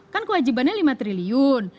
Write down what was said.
kan kewajibannya lima triliun